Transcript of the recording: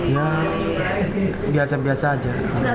ya biasa biasa aja